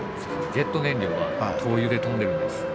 ジェット燃料は灯油で飛んでるんです。